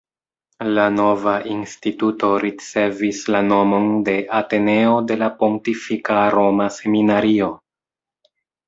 La nova Instituto ricevis la nomon de “Ateneo de la Pontifika Roma Seminario”.